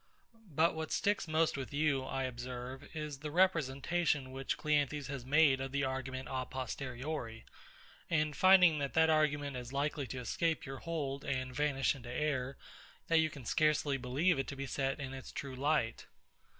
But what sticks most with you, I observe, is the representation which CLEANTHES has made of the argument a posteriori; and finding that that argument is likely to escape your hold and vanish into air, you think it so disguised, that you can scarcely believe it to be set in its true light.